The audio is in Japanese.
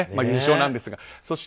優勝なんですが。